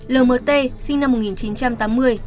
lmt sinh năm một nghìn chín trăm tám mươi